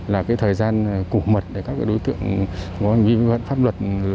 là cái thời gian cổ mật để các đối tượng có hành vi vi phạm pháp luật